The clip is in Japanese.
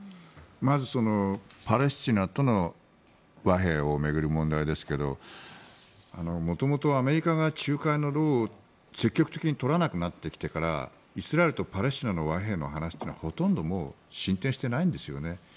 まずパレスチナとの和平を巡る問題ですけど元々、アメリカが仲介の労を積極的に取らなくなってきてからイスラエルとパレスチナの和平の話というのはほとんどもう進展していないんですよね。